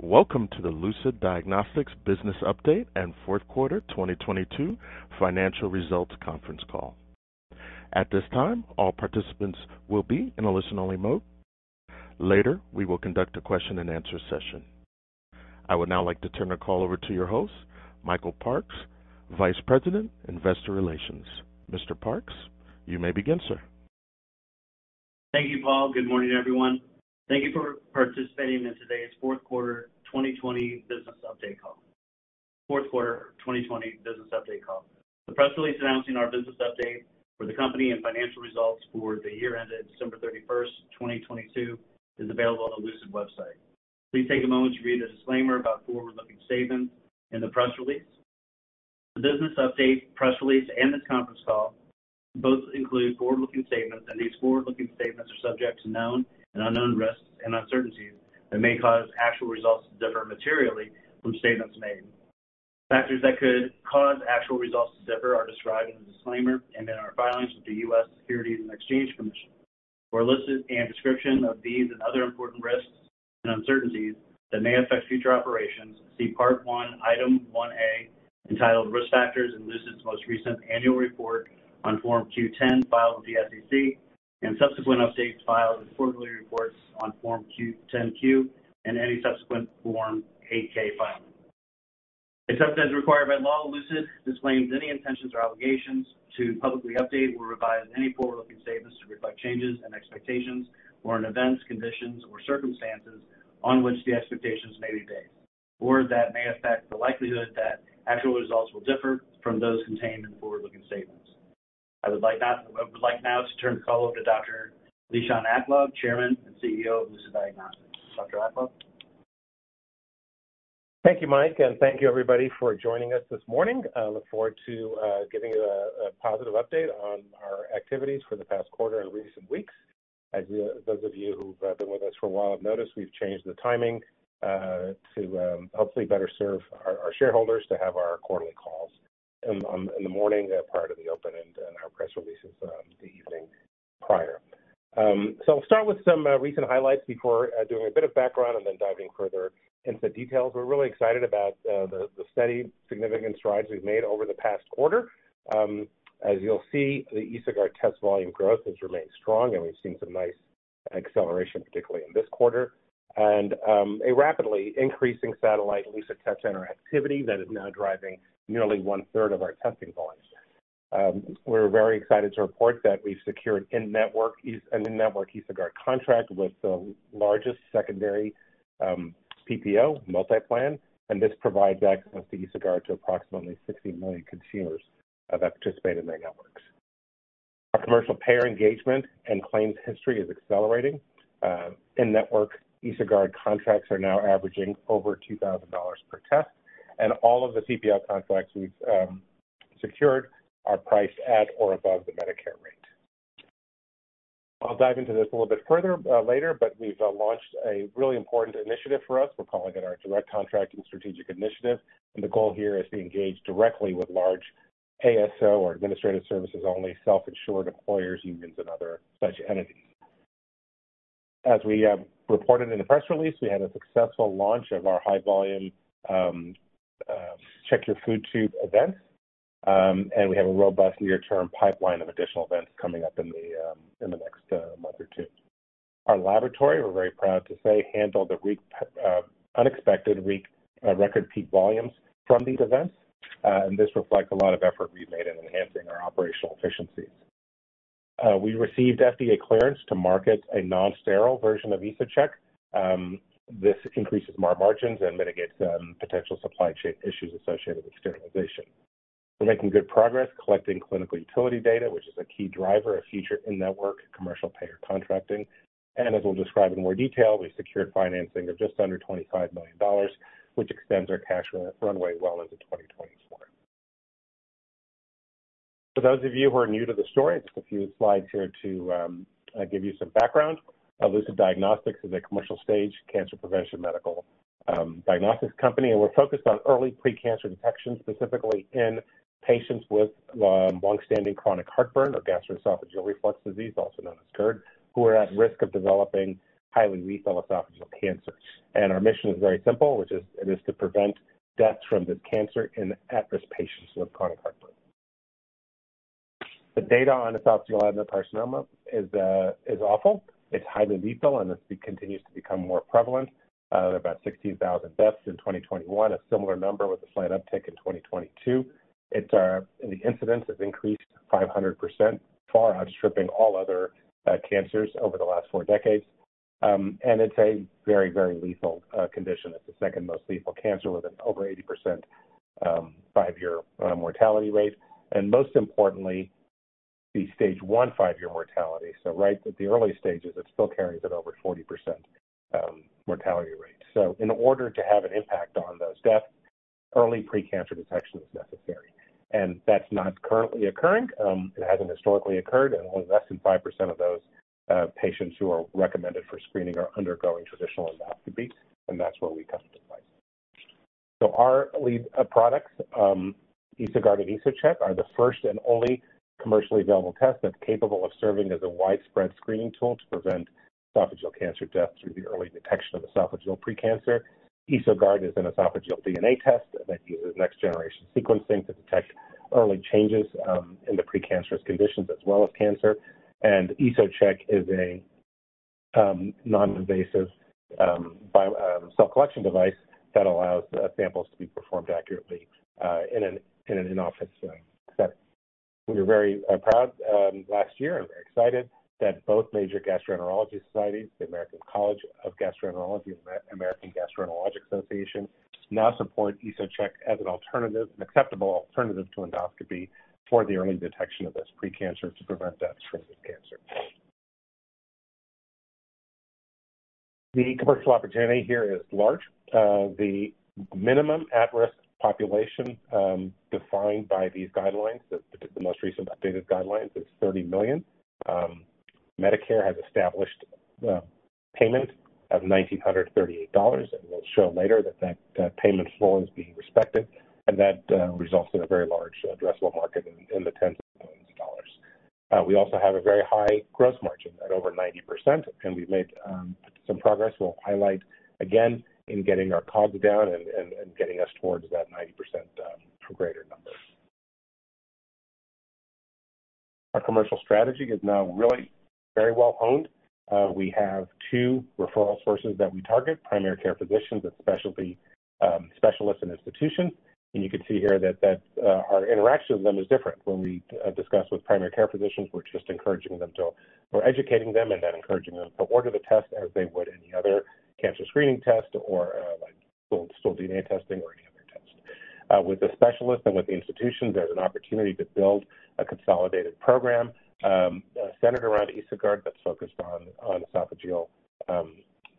Welcome to the Lucid Diagnostics business update and fourth quarter 2022 financial results conference call. At this time, all participants will be in a listen-only mode. Later, we will conduct a question and answer session. I would now like to turn the call over to your host, Michael Parks, Vice President, Investor Relations. Mr. Parks, you may begin, sir. Thank you, Paul. Good morning, everyone. Thank you for participating in today's fourth quarter 2020 business update call. The press release announcing our business update for the company and financial results for the year ended December 31st, 2022, is available on the Lucid website. Please take a moment to read the disclaimer about forward-looking statements in the press release. The business update, press release, and this conference call both include forward-looking statements. These forward-looking statements are subject to known and unknown risks and uncertainties that may cause actual results to differ materially from statements made. Factors that could cause actual results to differ are described in the disclaimer and in our filings with the U.S. Securities and Exchange Commission. For a list and description of these and other important risks and uncertainties that may affect future operations, see Part One, Item One-A, entitled Risk Factors in Lucid's most recent annual report on Form Q-10 filed with the SEC, and subsequent updates filed as quarterly reports on Form 10-Q, and any subsequent Form 8-K filing. Except as required by law, Lucid disclaims any intentions or obligations to publicly update or revise any forward-looking statements to reflect changes in expectations or in events, conditions, or circumstances on which the expectations may be based, or that may affect the likelihood that actual results will differ from those contained in the forward-looking statements. I would like now to turn the call over to Dr. Lishan Aklog, Chairman and CEO of Lucid Diagnostics. Dr. Aklog? Thank you, Mike, and thank you everybody for joining us this morning. I look forward to giving a positive update on our activities for the past quarter and recent weeks. As those of you who've been with us for a while have noticed, we've changed the timing to hopefully better serve our shareholders to have our quarterly calls in the morning prior to the open and our press releases the evening prior. I'll start with some recent highlights before doing a bit of background and then diving further into details. We're really excited about the steady significant strides we've made over the past quarter. As you'll see, the EsoGuard test volume growth has remained strong, and we've seen some nice acceleration, particularly in this quarter. A rapidly increasing satellite Lucid Test Center activity that is now driving nearly 1/3 of our testing volumes. We're very excited to report that we've secured an in-network EsoGuard contract with the largest secondary PPO MultiPlan, and this provides access to EsoGuard to approximately 60 million consumers that participate in their networks. Our commercial payer engagement and claims history is accelerating. In-network EsoGuard contracts are now averaging over $2,000 per test, and all of the CPL contracts we've secured are priced at or above the Medicare rate. I'll dive into this a little bit further later, but we've launched a really important initiative for us. We're calling it our direct contracting strategic initiative, and the goal here is to engage directly with large ASO, or administrative services only, self-insured employers, unions, and other such entities. As we reported in the press release, we had a successful launch of our high volume Check Your Food Tube event. We have a robust near-term pipeline of additional events coming up in the next month or two. Our laboratory, we're very proud to say, handled the unexpected record peak volumes from these events. This reflects a lot of effort we've made in enhancing our operational efficiencies. We received FDA clearance to market a non-sterile version of EsoCheck. This increases our margins and mitigates potential supply issues associated with sterilization. We're making good progress collecting clinical utility data, which is a key driver of future in-network commercial payer contracting. As we'll describe in more detail, we've secured financing of just under $25 million, which extends our cash runway well into 2024. For those of you who are new to the story, I took a few slides here to give you some background. Lucid Diagnostics is a commercial stage cancer prevention medical diagnostics company, and we're focused on early pre-cancer detection, specifically in patients with longstanding chronic heartburn or gastroesophageal reflux disease, also known as GERD, who are at risk of developing highly lethal esophageal cancer. Our mission is very simple, which is it is to prevent deaths from this cancer in at-risk patients with chronic heartburn. The data on esophageal adenocarcinoma is awful. It's highly lethal and it continues to become more prevalent. About 16,000 deaths in 2021, a similar number with a slight uptick in 2022. The incidence has increased 500%, far outstripping all other cancers over the last 4 decades. It's a very, very lethal condition. It's the second most lethal cancer with an over 80% 5-year mortality rate. Most importantly, the stage 1 5-year mortality, so right at the early stages, it still carries an over 40% mortality rate. In order to have an impact on those deaths, early pre-cancer detection is necessary. That's not currently occurring, it hasn't historically occurred. Less than 5% of those patients who are recommended for screening are undergoing traditional endoscopy. That's where we come into play. Our lead products, EsoGuard and EsoCheck, are the first and only commercially available test that's capable of serving as a widespread screening tool to prevent esophageal cancer death through the early detection of esophageal pre-cancer. EsoGuard is an esophageal DNA test that uses next-generation sequencing to detect early changes in the precancerous conditions as well as cancer. EsoCheck is a non-invasive cell collection device that allows samples to be performed accurately in an in-office setting. We were very proud last year and very excited that both major gastroenterology societies, the American College of Gastroenterology, American Gastroenterological Association, now support EsoCheck as an alternative, an acceptable alternative to endoscopy for the early detection of this pre-cancer to prevent deaths from this cancer. The commercial opportunity here is large. The minimum at-risk population defined by these guidelines, the most recent updated guidelines, is 30 million. Medicare has established payment of $1,938, and we'll show later that payment flow is being respected and that results in a very large addressable market in the tens of millions of dollars. We also have a very high gross margin at over 90%, and we've made some progress we'll highlight again in getting our COGS down and getting us towards that 90%, or greater number. Our commercial strategy is now really very well-honed. We have 2 referral sources that we target, primary care physicians and specialty specialists and institutions. You can see here that our interaction with them is different. When we discuss with primary care physicians, we're just encouraging them or educating them and then encouraging them to order the test as they would any other cancer screening test or like stool DNA testing or any other test. With the specialists and with the institutions, there's an opportunity to build a consolidated program, centered around EsoGuard that's focused on esophageal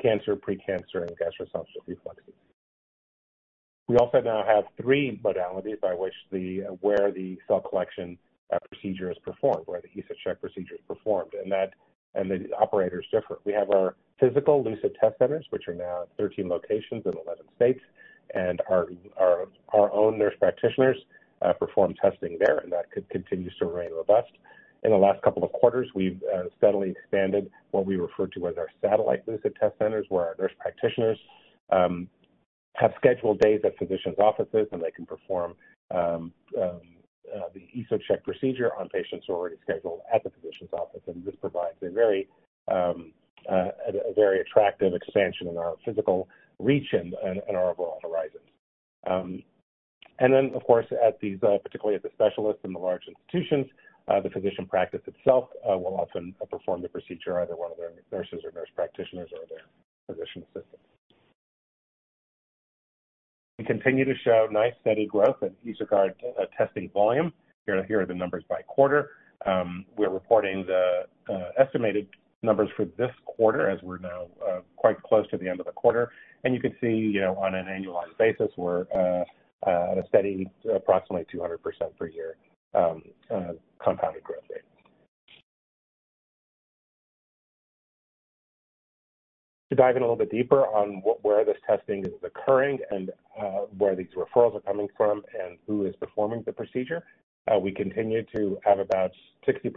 cancer, pre-cancer, and gastroesophageal reflux disease. We also now have three modalities where the cell collection procedure is performed, where the EsoCheck procedure is performed, and the operators differ. We have our physical Lucid Test Centers, which are now at 13 locations in 11 states, and our own nurse practitioners perform testing there and that continues to remain robust. In the last couple of quarters we've steadily expanded what we refer to as our satellite Lucid Test Centers, where our nurse practitioners have scheduled days at physicians' offices, and they can perform the EsoCheck procedure on patients who are already scheduled at the physician's office. This provides a very attractive expansion in our physical reach and our overall horizons. Then of course, at these, particularly at the specialists and the large institutions, the physician practice itself will often perform the procedure, either one of their nurses or nurse practitioners or their physician assistants. We continue to show nice steady growth in EsoGuard testing volume. Here are the numbers by quarter. We're reporting the estimated numbers for this quarter as we're now quite close to the end of the quarter. You can see, you know, on an annualized basis, we're at a steady approximately 200% per year compounded growth rate. To dive in a little bit deeper on where this testing is occurring and where these referrals are coming from and who is performing the procedure, we continue to have about 60%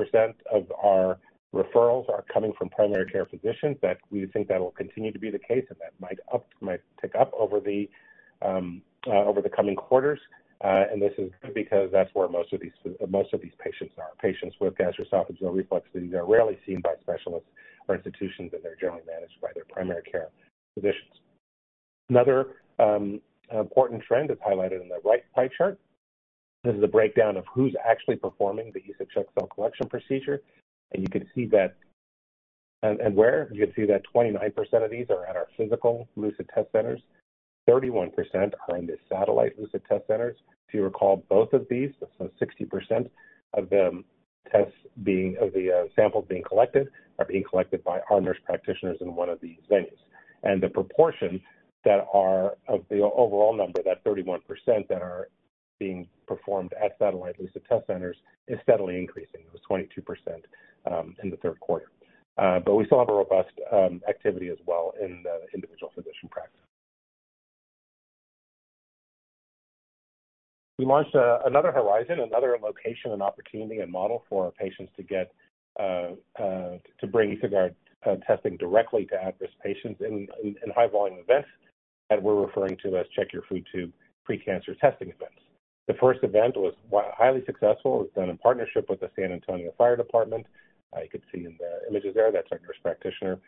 of our referrals are coming from primary care physicians that we think that will continue to be the case and that might up, might tick up over the coming quarters. This is good because that's where most of these patients are. Patients with gastroesophageal reflux disease are rarely seen by specialists or institutions, and they're generally managed by their primary care physicians. Another important trend is highlighted in the right pie chart. This is a breakdown of who's actually performing the EsoCheck cell collection procedure, and you can see that and where. You can see that 29% of these are at our physical Lucid Test Centers, 31% are in the satellite Lucid Test Centers. If you recall, both of these, 60% of the samples being collected, are being collected by our nurse practitioners in one of these venues. The proportion that are of the overall number, that 31% that are being performed at satellite Lucid Test Centers is steadily increasing. It was 22% in the third quarter. We still have a robust activity as well in the individual physician practice. We launched another horizon, another location and opportunity and model for our patients to get to bring EsoGuard testing directly to at-risk patients in high volume events that we're referring to as Check Your Food Tube pre-cancer testing events. The first event was highly successful. It was done in partnership with the San Antonio Fire Department. You could see in the images there, that's our nurse practitioner,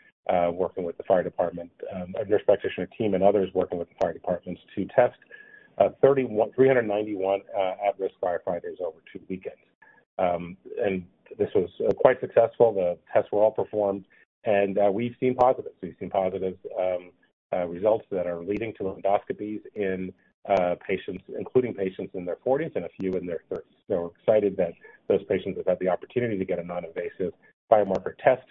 working with the fire department, a nurse practitioner team and others working with the fire department to test 391 at-risk firefighters over two weekends. This was quite successful. The tests were all performed and we've seen positives. We've seen positive results that are leading to endoscopies in patients, including patients in their forties and a few in their thirties. We're excited that those patients have had the opportunity to get a non-invasive biomarker test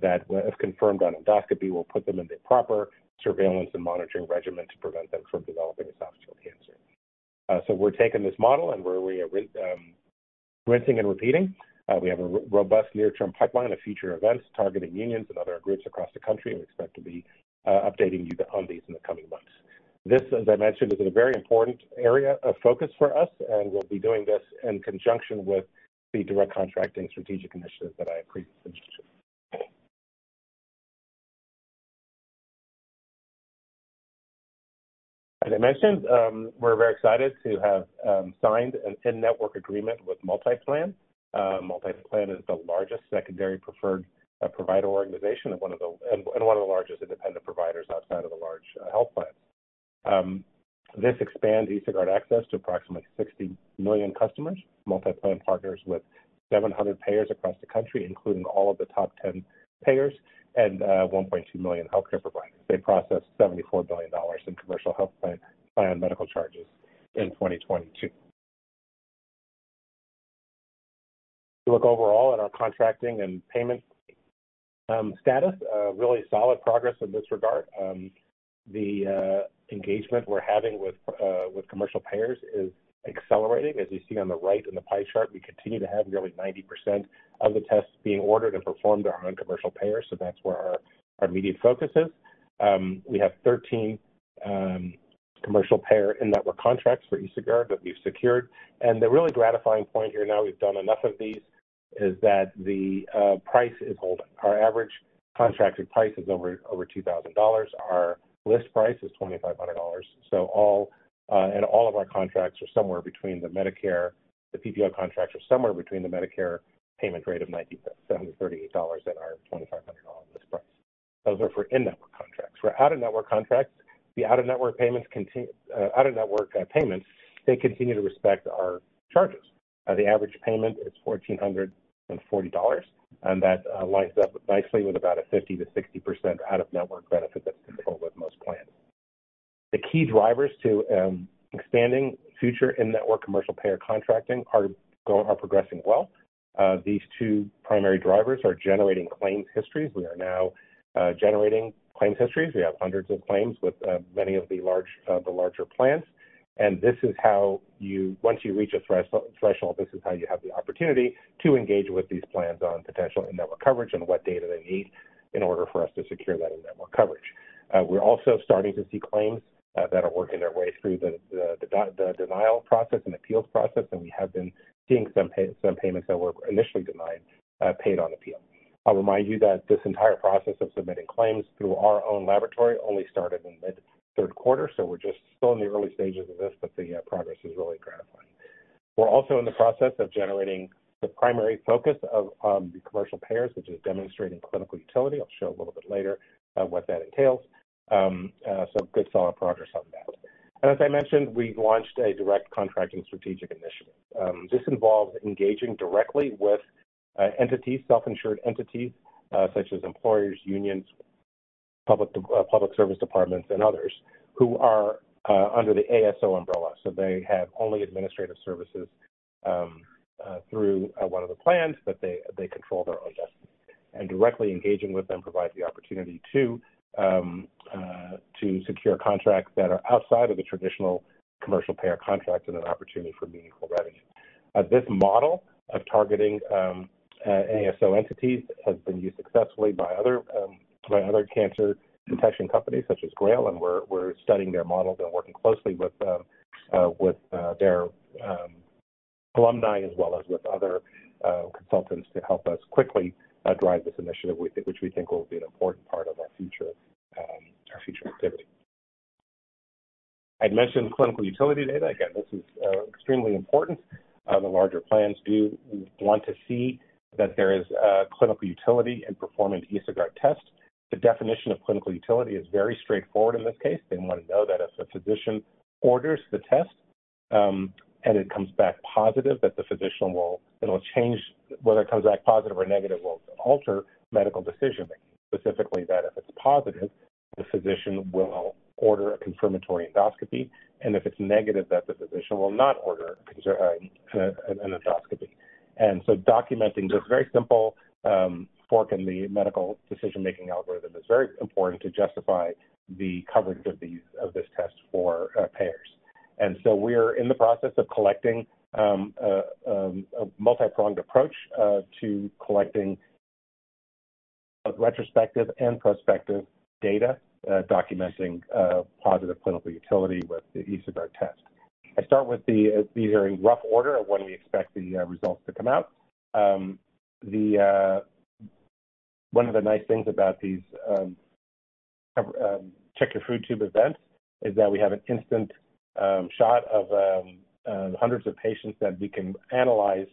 that if confirmed on endoscopy, will put them in the proper surveillance and monitoring regimen to prevent them from developing esophageal cancer. We're taking this model and we're rinsing and repeating. We have a robust near-term pipeline of future events targeting unions and other groups across the country, and we expect to be updating you on these in the coming months. This, as I mentioned, is a very important area of focus for us, and we'll be doing this in conjunction with the direct contracting strategic initiative that I previously mentioned. As I mentioned, we're very excited to have signed an in-network agreement with MultiPlan. Multiplan is the largest secondary preferred provider organization and one of the largest independent providers outside of the large health plans. This expands EsoGuard access to approximately 60 million customers. Multiplan partners with 700 payers across the country, including all of the top 10 payers and 1.2 million healthcare providers. They processed $74 billion in commercial health plan medical charges in 2022. If you look overall at our contracting and payment status, really solid progress in this regard. The engagement we're having with commercial payers is accelerating. As you see on the right in the pie chart, we continue to have nearly 90% of the tests being ordered and performed are on commercial payers, so that's where our immediate focus is. We have 13 commercial payer in-network contracts for EsoGuard that we've secured. The really gratifying point here now we've done enough of these is that the price is holding. Our average contracted price is over $2,000. Our list price is $2,500. All of our contracts are somewhere between the Medicare. The PPO contracts are somewhere between the Medicare payment rate of $1,938 and our $2,500 list price. Those are for in-network contracts. For out-of-network contracts, the out-of-network payments. Out-of-network payments, they continue to respect our charges. The average payment is $1,440, that lines up nicely with about a 50%-60% out-of-network benefit that's controlled with most plans. The key drivers to expanding future in-network commercial payer contracting are progressing well. These 2 primary drivers are generating claims histories. We are now generating claims histories. We have hundreds of claims with many of the large, the larger plans. This is how Once you reach a threshold, this is how you have the opportunity to engage with these plans on potential in-network coverage and what data they need in order for us to secure that in-network coverage. We're also starting to see claims that are working their way through the denial process and appeals process, and we have been seeing some payments that were initially denied, paid on appeal. I'll remind you that this entire process of submitting claims through our own laboratory only started in mid third quarter, so we're just still in the early stages of this, but the progress is really gratifying. We're also in the process of generating the primary focus of the commercial payers, which is demonstrating clinical utility. I'll show a little bit later what that entails. So good solid progress on that. As I mentioned, we've launched a direct contracting strategic initiative. This involves engaging directly with entities, self-insured entities, such as employers, unions, public service departments, and others who are under the ASO umbrella. They have only administrative services through one of the plans, but they control their own destiny. Directly engaging with them provides the opportunity to secure contracts that are outside of the traditional commercial payer contract and an opportunity for meaningful revenue. This model of targeting ASO entities has been used successfully by other cancer detection companies such as Grail, Inc., and we're studying their models and working closely with their alumni as well as with other consultants to help us quickly drive this initiative, which we think will be an important part of our future activity. I'd mentioned clinical utility data. Again, this is extremely important. The larger plans do want to see that there is clinical utility in performing EsoGuard tests. The definition of clinical utility is very straightforward in this case. They want to know that if the physician orders the test, and it comes back positive, that the physician will alter medical decision-making, specifically that if it's positive, the physician will order a confirmatory endoscopy, and if it's negative, that the physician will not order an endoscopy. Documenting this very simple fork in the medical decision-making algorithm is very important to justify the coverage of these, of this test for payers. We're in the process of collecting a multi-pronged approach to collecting retrospective and prospective data, documenting positive clinical utility with the EsoGuard test. These are in rough order of when we expect the results to come out. The one of the nice things about these Check Your Food Tube events is that we have an instant shot of hundreds of patients that we can analyze.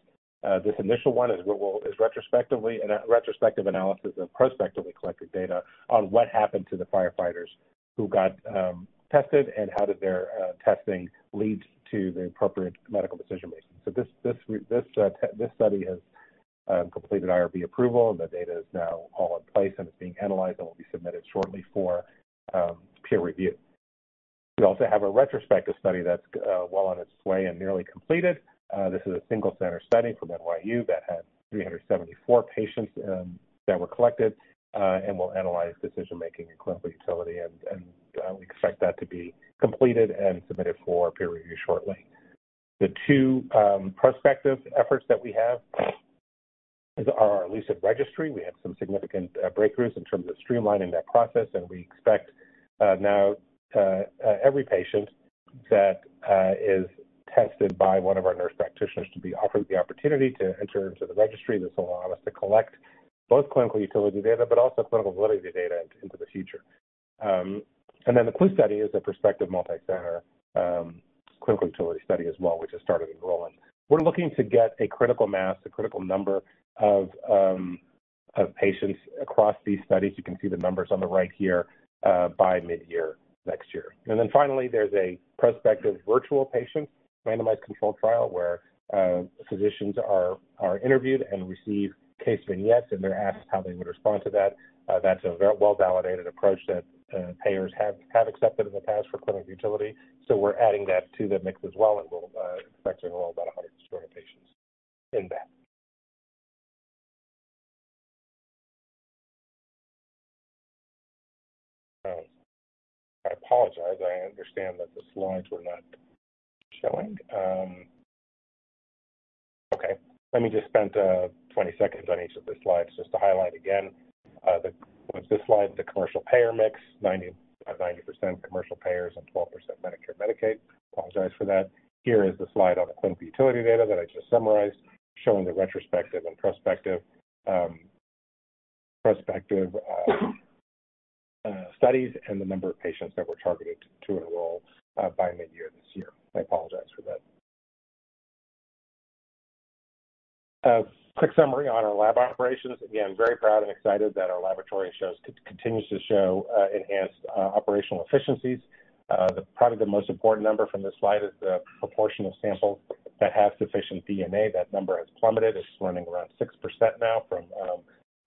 This initial one is, well, a retrospective analysis of prospectively collected data on what happened to the firefighters who got tested and how did their testing lead to the appropriate medical decision-making. This study has completed IRB approval, and the data is now all in place, and it's being analyzed and will be submitted shortly for peer review. We also have a retrospective study that's well on its way and nearly completed. This is a single center study from NYU that had 374 patients that were collected and will analyze decision-making and clinical utility. We expect that to be completed and submitted for peer review shortly. The two prospective efforts that we have is our Lucid Registry. We have some significant breakthroughs in terms of streamlining that process. We expect now every patient that is tested by one of our nurse practitioners to be offered the opportunity to enter into the registry. This will allow us to collect both clinical utility data but also clinical validity data into the future. The CLUE study is a prospective multi-center clinical utility study as well, which has started enrolling. We're looking to get a critical mass, a critical number of patients across these studies. You can see the numbers on the right here, by mid-year next year. Finally, there's a prospective virtual patient randomized controlled trial where physicians are interviewed and receive case vignettes, and they're asked how they would respond to that. That's a well-validated approach that payers have accepted in the past for clinical utility, we're adding that to the mix as well. It will expect to enroll about 140 patients in that. I apologize. I understand that the slides were not showing. Okay. Let me just spend 20 seconds on each of the slides just to highlight again. This slide is the commercial payer mix, 90% commercial payers and 12% Medicare/Medicaid. Apologize for that. Here is the slide on the clinical utility data that I just summarized, showing the retrospective and prospective studies and the number of patients that we're targeting to enroll by mid-year this year. I apologize for that. A quick summary on our lab operations. Again, very proud and excited that our laboratory continues to show enhanced operational efficiencies. Probably the most important number from this slide is the proportion of samples that have sufficient DNA. That number has plummeted. It's running around 6% now from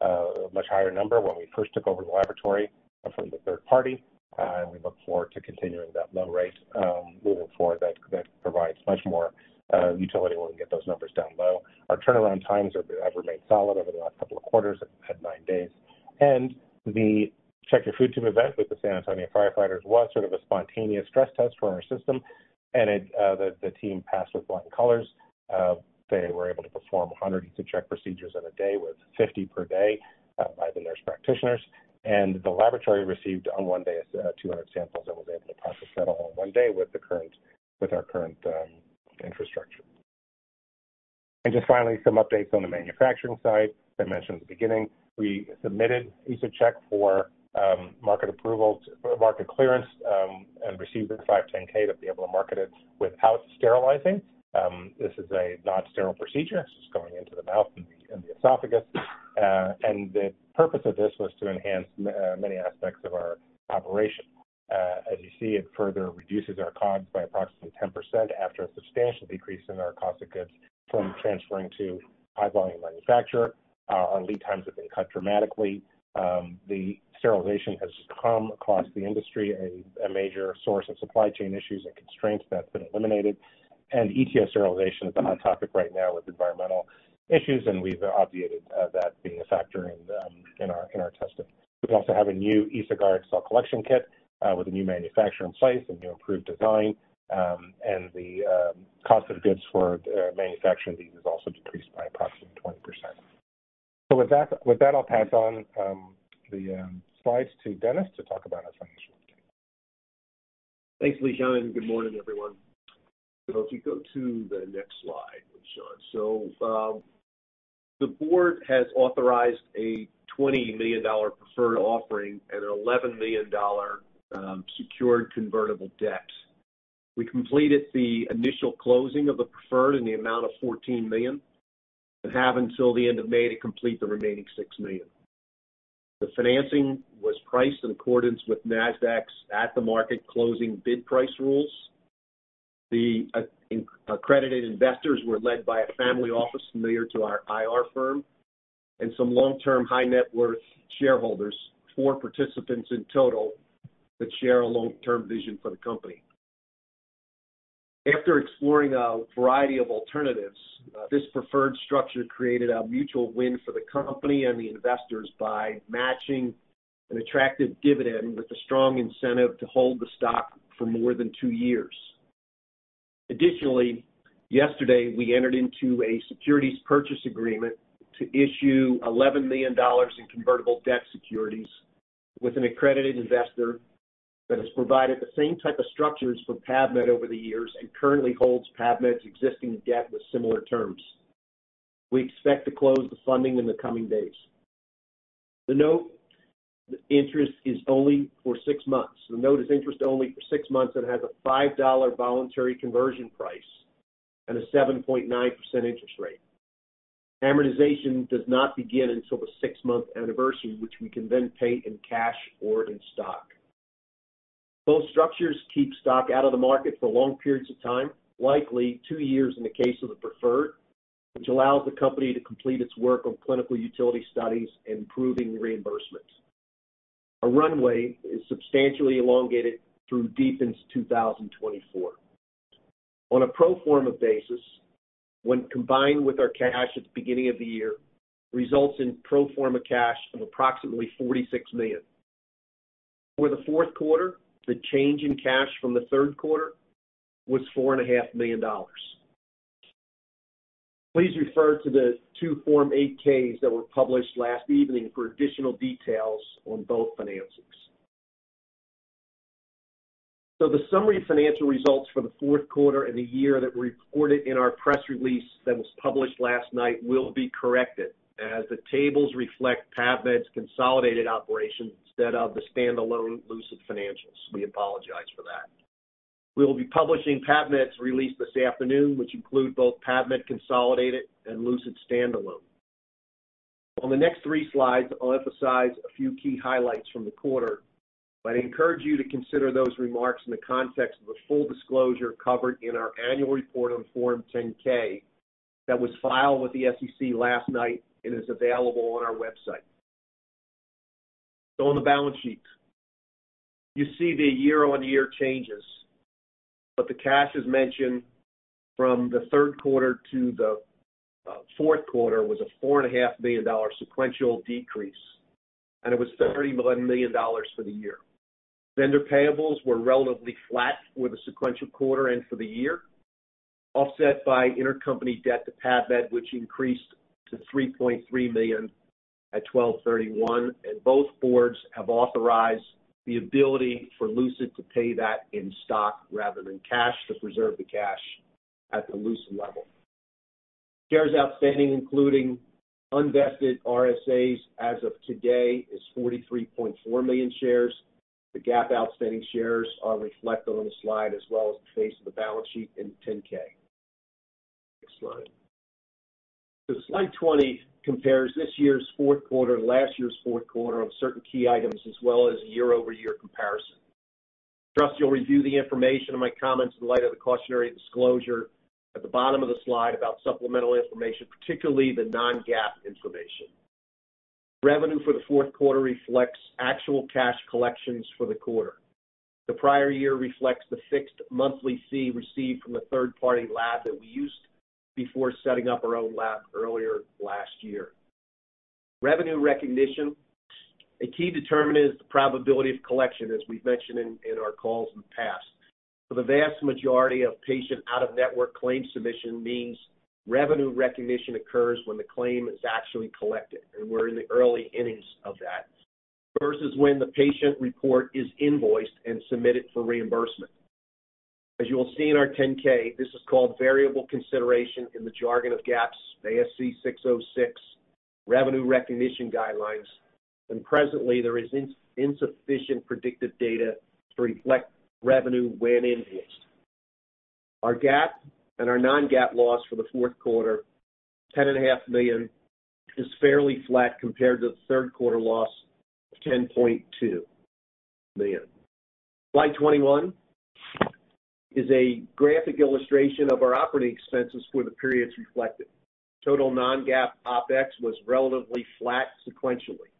a much higher number when we first took over the laboratory from the third party. We look forward to continuing that low rate moving forward. That provides much more utility when we get those numbers down low. Our turnaround times have remained solid over the last couple of quarters at 9 days. The Check Your Food Tube event with the San Antonio firefighters was sort of a spontaneous stress test for our system, and it the team passed with flying colors. They were able to perform 100 EsoCheck procedures in a day, with 50 per day by the nurse practitioners. The laboratory received on 1 day 200 samples and was able to process that all in 1 day with our current infrastructure. Just finally, some updates on the manufacturing side. As I mentioned at the beginning, we submitted EsoCheck for market clearance and received the 510(k) to be able to market it without sterilizing. This is a non-sterile procedure. This is going into the mouth and the esophagus. The purpose of this was to enhance many aspects of our operation. As you see, it further reduces our COGS by approximately 10% after a substantial decrease in our cost of goods from transferring to high volume manufacturer. Our lead times have been cut dramatically. The sterilization has become across the industry a major source of supply chain issues and constraints that's been eliminated. EtO sterilization is a hot topic right now with environmental issues, and we've obviated that being a factor in our testing. We also have a new EsoGuard cell collection kit with a new manufacturing site, a new improved design, and the cost of goods for manufacturing these has also decreased by approximately 20%. With that, I'll pass on the slides to Dennis to talk about our financial update. Thanks, Lishan, good morning, everyone. If you go to the next slide, Lishan. The board has authorized a $20 million preferred offering and an $11 million secured convertible debt. We completed the initial closing of the preferred in the amount of $14 million and have until the end of May to complete the remaining $6 million. The financing was priced in accordance with Nasdaq's at the market closing bid price rules. The accredited investors were led by a family office familiar to our IR firm and some long-term high-net-worth shareholders, four participants in total that share a long-term vision for the company. After exploring a variety of alternatives, this preferred structure created a mutual win for the company and the investors by matching an attractive dividend with a strong incentive to hold the stock for more than two years. Yesterday, we entered into a securities purchase agreement to issue $11 million in convertible debt securities with an accredited investor that has provided the same type of structures for PAVmed over the years and currently holds PAVmed's existing debt with similar terms. We expect to close the funding in the coming days. The note is interest-only for 6 months and has a $5 voluntary conversion price and a 7.9% interest rate. Amortization does not begin until the 6-month anniversary, which we can then pay in cash or in stock. Both structures keep stock out of the market for long periods of time, likely 2 years in the case of the preferred, which allows the company to complete its work on clinical utility studies and proving reimbursements. Our runway is substantially elongated through deep into 2024. On a pro forma basis, when combined with our cash at the beginning of the year, results in pro forma cash of approximately $46 million. For the fourth quarter, the change in cash from the third quarter was four and a half million dollars. Please refer to the 2 Form 8-Ks that were published last evening for additional details on both financings. The summary financial results for the fourth quarter and the year that we reported in our press release that was published last night will be corrected as the tables reflect PAVmed's consolidated operations instead of the standalone Lucid financials. We apologize for that. We will be publishing PAVmed's release this afternoon, which include both PAVmed consolidated and Lucid standalone. On the next 3 slides, I'll emphasize a few key highlights from the quarter, but I'd encourage you to consider those remarks in the context of the full disclosure covered in our annual report on Form 10-K that was filed with the SEC last night and is available on our website. On the balance sheet, you see the year-over-year changes, but the cash as mentioned from the 3rd quarter to the 4th quarter was a $4.5 million sequential decrease, and it was $30 million for the year. Vendor payables were relatively flat for the sequential quarter and for the year, offset by intercompany debt to PAVmed, which increased to $3.3 million at 12/31, and both boards have authorized the ability for Lucid to pay that in stock rather than cash to preserve the cash at the Lucid level. Shares outstanding, including unvested RSAs as of today is 43.4 million shares. The GAAP outstanding shares are reflected on the slide as well as the face of the balance sheet in Form 10-K. Next slide. Slide 20 compares this year's fourth quarter to last year's fourth quarter on certain key items as well as year-over-year comparison. Trust you'll review the information in my comments in light of the cautionary disclosure at the bottom of the slide about supplemental information, particularly the non-GAAP information. Revenue for the fourth quarter reflects actual cash collections for the quarter. The prior year reflects the fixed monthly fee received from a third-party lab that we used before setting up our own lab earlier last year. Revenue recognition, a key determinant is the probability of collection, as we've mentioned in our calls in the past. For the vast majority of patient out-of-network claim submission means revenue recognition occurs when the claim is actually collected, and we're in the early innings of that, versus when the patient report is invoiced and submitted for reimbursement. As you will see in our 10-K, this is called variable consideration in the jargon of GAAP's ASC 606 revenue recognition guidelines, and presently there is insufficient predictive data to reflect revenue when invoiced. Our GAAP and our non-GAAP loss for the fourth quarter, ten and a half million, is fairly flat compared to the third quarter loss of $10.2 million. Slide 21 is a graphic illustration of our operating expenses for the periods reflected. Total non-GAAP OpEx was relatively flat sequentially.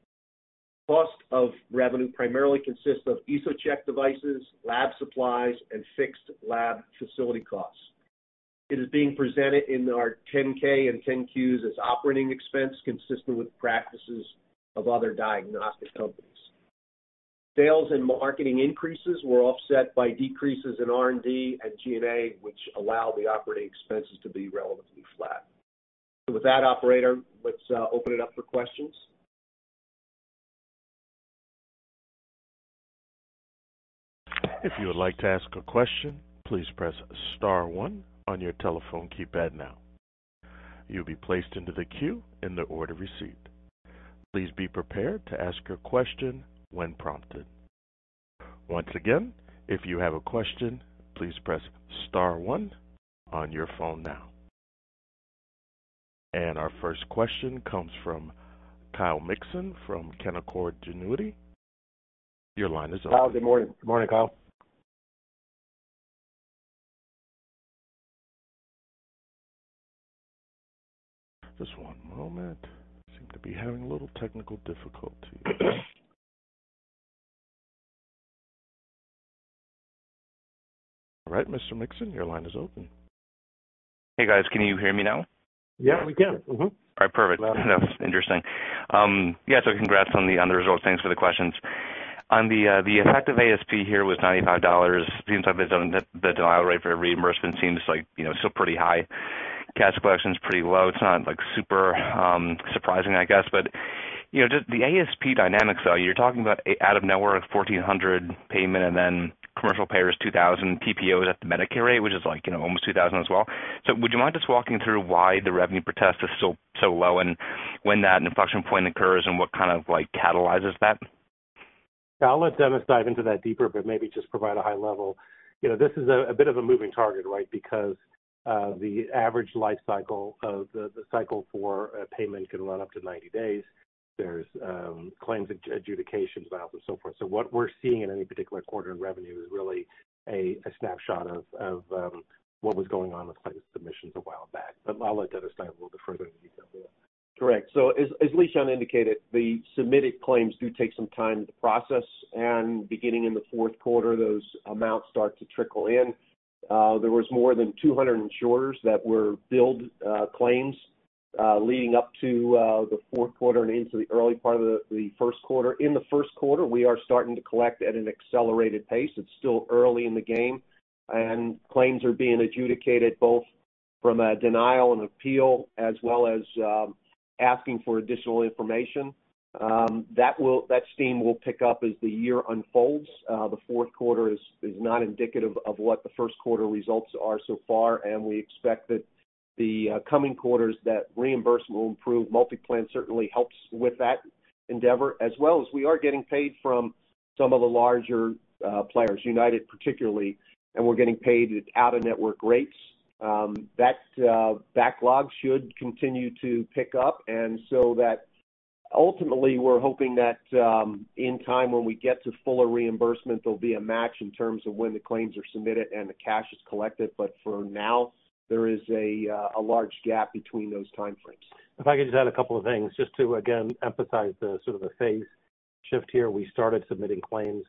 Cost of revenue primarily consists of EsoCheck devices, lab supplies, and fixed lab facility costs. It is being presented in our 10-K and 10-Qs as operating expense consistent with practices of other diagnostic companies. Sales and marketing increases were offset by decreases in R&D and G&A, which allow the operating expenses to be relatively flat. With that, operator, let's open it up for questions. If you would like to ask a question, please press star one on your telephone keypad now. You'll be placed into the queue in the order received. Please be prepared to ask your question when prompted. Once again, if you have a question, please press star one on your phone now. Our first question comes from Kyle Mikson from Canaccord Genuity. Your line is open. Kyle, good morning. Good morning, Kyle. Just one moment. Seem to be having a little technical difficulty. All right, Mr. Mikson, your line is open. Hey, guys. Can you hear me now? Yeah, we can. Mm-hmm. All right, perfect. That's interesting. Yeah, congrats on the results. Thanks for the questions. On the effective ASP here was $95. It seems like the denial rate for reimbursement seems like, you know, still pretty high. Cash collection is pretty low. It's not, like, super surprising, I guess. You know, just the ASP dynamics, though, you're talking about a out-of-network $1,400 payment and then commercial payer is $2,000, TPO is at the Medicare rate, which is like, you know, almost $2,000 as well. Would you mind just walking through why the revenue per test is so low and when that inflection point occurs and what kind of, like, catalyzes that? I'll let Dennis dive into that deeper, but maybe just provide a high level. You know, this is a bit of a moving target, right? Because the average life cycle of the cycle for a payment can run up to 90 days. There's claims adjudication, appeals, and so forth. What we're seeing in any particular quarter in revenue is really a snapshot of what was going on with claim submissions a while back. I'll let Dennis dive a little bit further into that. Correct. As Lishan indicated, the submitted claims do take some time to process, and beginning in the fourth quarter, those amounts start to trickle in. There was more than 200 insurers that were billed, claims. Leading up to the fourth quarter and into the early part of the first quarter. In the first quarter, we are starting to collect at an accelerated pace. It's still early in the game, and claims are being adjudicated both from a denial, an appeal, as well as asking for additional information. That steam will pick up as the year unfolds. The fourth quarter is not indicative of what the first quarter results are so far, and we expect that the coming quarters, that reimbursement will improve. MultiPlan certainly helps with that endeavor as well as we are getting paid from some of the larger players, United particularly, and we're getting paid at out-of-network rates. That backlog should continue to pick up, and so that ultimately, we're hoping that in time, when we get to fuller reimbursement, there'll be a match in terms of when the claims are submitted and the cash is collected. For now, there is a large gap between those time frames. If I could just add a couple of things, just to again emphasize the sort of the phase shift here. We started submitting claims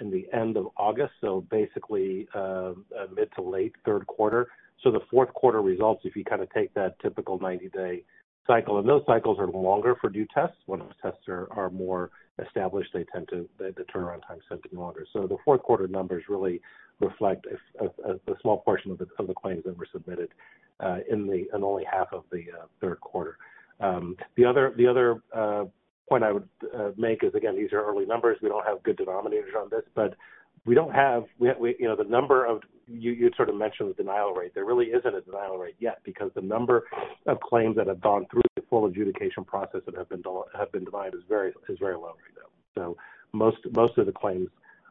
in the end of August, basically, mid to late third quarter. The fourth quarter results, if you kinda take that typical 90-day cycle, and those cycles are longer for new tests. When those tests are more established, the turnaround time is simply longer. The fourth quarter numbers really reflect a small portion of the claims that were submitted in only half of the third quarter. The other point I would make is, again, these are early numbers. We don't have good denominators on this, but we don't have. We, you know, the number of. You sort of mentioned the denial rate. There really isn't a denial rate yet because the number of claims that have gone through the full adjudication process and have been denied is very low right now. Most of the claims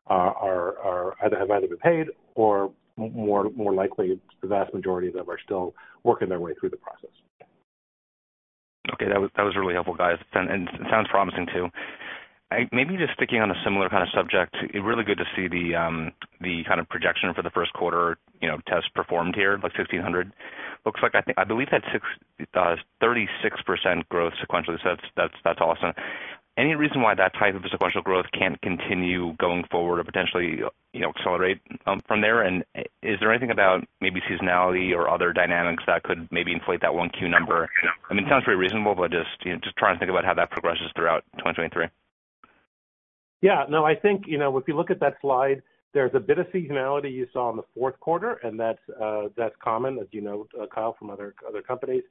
are either have either been paid or more likely, the vast majority of them are still working their way through the process. Okay, that was really helpful, guys. It sounds promising too. Maybe just sticking on a similar kind of subject, it really good to see the kind of projection for the first quarter, you know, tests performed here, like 1,600. Looks like, I think, I believe that 36% growth sequentially. That's awesome. Any reason why that type of sequential growth can't continue going forward or potentially, you know, accelerate from there? Is there anything about maybe seasonality or other dynamics that could maybe inflate that 1Q number? I mean, it sounds very reasonable, but just, you know, just trying to think about how that progresses throughout 2023. Yeah. No, I think, you know, if you look at that slide, there's a bit of seasonality you saw in the fourth quarter, and that's common, as you know, Kyle, from other companies.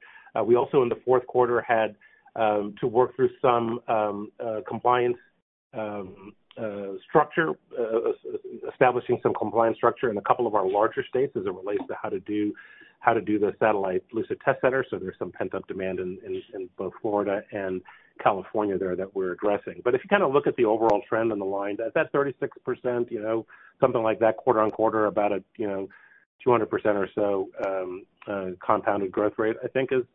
We also in the fourth quarter had to work through some compliance structure, establishing some compliance structure in a couple of our larger states as it relates to how to do the satellite Lucid Test Center. There's some pent-up demand in both Florida and California there that we're addressing. If you kinda look at the overall trend on the line, that 36%, you know, something like that quarter-on-quarter, about a, you know, 200% or so compounded growth rate, I think is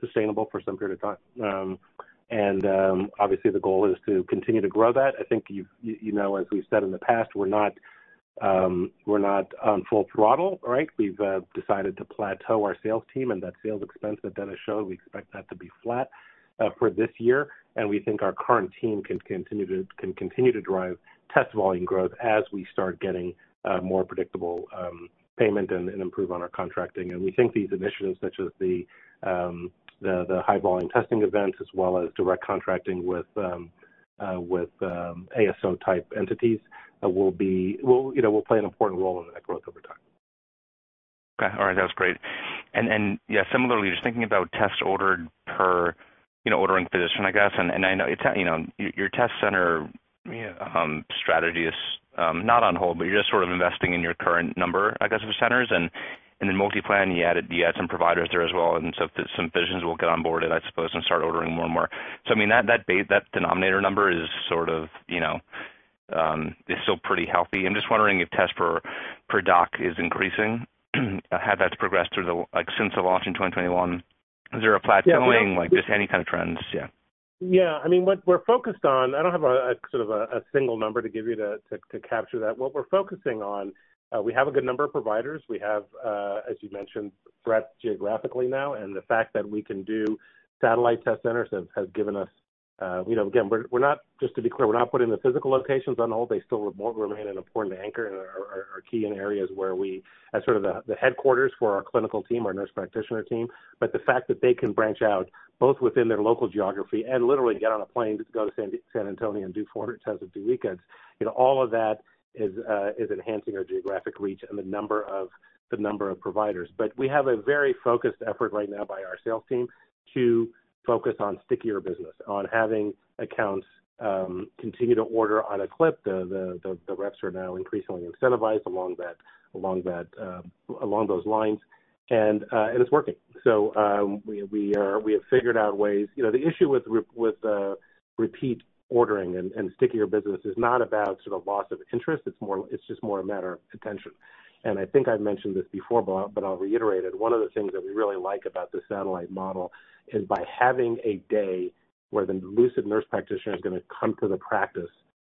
sustainable for some period of time. Obviously, the goal is to continue to grow that. I think you know, as we've said in the past, we're not, we're not on full throttle, right? We've decided to plateau our sales team and that sales expense that Dennis showed, we expect that to be flat for this year. We think our current team can continue to drive test volume growth as we start getting more predictable payment and improve on our contracting. We think these initiatives such as the high volume testing events as well as direct contracting with ASO type entities will you know, will play an important role in that growth over time. Okay. All right. That was great. Yeah, similarly, just thinking about tests ordered per, you know, ordering physician, I guess, I know it's, you know, your test center. Yeah strategy is not on hold, but you're just sort of investing in your current number, I guess, of centers. MultiPlan, you added, you add some providers there as well, and some physicians will get on board, and I suppose, and start ordering more and more. I mean, that base, that denominator number is sort of, you know, is still pretty healthy. I'm just wondering if tests per doc is increasing, how that's progressed through the since the launch in 2021. Is there a plateauing? Yeah. Like, just any kind of trends. Yeah. I mean, what we're focused on, I don't have a sort of a single number to give you to capture that. What we're focusing on, we have a good number of providers. We have, as you mentioned, breadth geographically now, and the fact that we can do satellite test centers has given us, you know. We're not, just to be clear, we're not putting the physical locations on hold. They still remain an important anchor and are key in areas where we, as sort of the headquarters for our clinical team, our nurse practitioner team. The fact that they can branch out both within their local geography and literally get on a plane to go to San Antonio and do 400 tests at the weekends, you know, all of that is enhancing our geographic reach and the number of providers. We have a very focused effort right now by our sales team to focus on stickier business, on having accounts continue to order on a clip. The reps are now increasingly incentivized along those lines. It's working. We have figured out ways. You know, the issue with repeat ordering and stickier business is not about sort of loss of interest, it's just more a matter of attention. I think I've mentioned this before, but I'll reiterate it. One of the things that we really like about the satellite model is by having a day where the Lucid nurse practitioner is gonna come to the practice